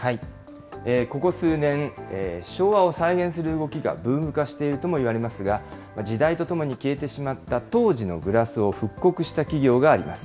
ここ数年、昭和を再現する動きがブーム化しているともいわれますが、時代とともに消えてしまった当時のグラスを復刻した企業があります。